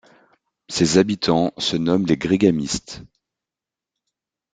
Ses habitants se nomment les Grégamistes.